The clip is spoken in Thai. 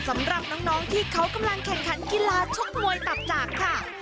สำหรับน้องที่เขากำลังแข่งขันกีฬาชกมวยตับจากค่ะ